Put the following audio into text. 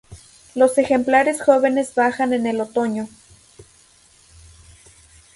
Los ejemplares jóvenes bajan en el otoño.